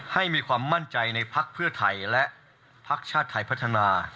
ให้มีความมั่นใจในพักเพื่อไทยและพักชาติไทยพัฒนา